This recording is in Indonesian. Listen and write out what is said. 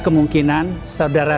waktu dua pilih pintu utama